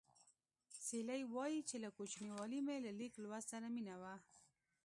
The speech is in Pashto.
سیلۍ وايي چې له کوچنیوالي مې له لیک لوست سره مینه وه